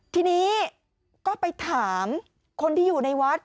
ทีนี้ก็ไปถามคนที่อยู่ในวัด